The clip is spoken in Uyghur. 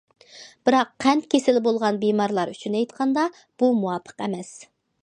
بىراق قەنت كېسىلى بولغان بىمارلار ئۈچۈن ئېيتقاندا بۇ مۇۋاپىق ئەمەس.